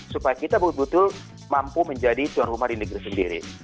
supaya kita betul betul mampu menjadi tuan rumah di negeri sendiri